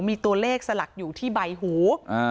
มีตัวเลขสลักอยู่ที่ใบหู